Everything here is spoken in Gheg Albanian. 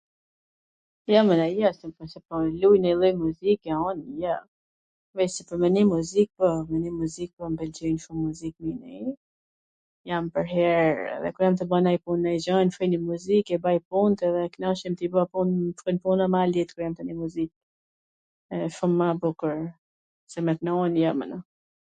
Jo mana jo ... me luj edhe nonj muzik jo, un jo. veCse pwr me nii muzik po, me nii muzik po, m pwlqejn shum muzik me nii, jam pwrher edhe kur jam tu ba nonjw pun nonjw gja nigjoj nonj muzik, i baj punt edhe knaqem tu bw punt, se bahet puna ma let kur jam tu nii muzik, wsht shum ma bukur, se me knu un jo mana.